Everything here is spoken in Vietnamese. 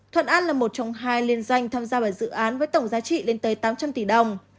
thuận an là một trong hai liên doanh tham gia vào dự án với tổng giá trị lên tới tám trăm linh tỷ đồng